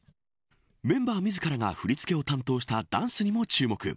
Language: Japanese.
メンバー自らが振り付けを担当したダンスにも注目。